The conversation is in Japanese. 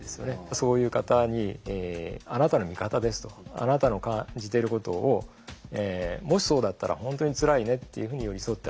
そういう方にあなたの味方ですとあなたの感じていることをもしそうだったら本当につらいねっていうふうに寄り添ってあげる。